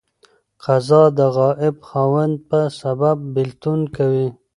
قضا د غائب خاوند په سبب بيلتون کوي.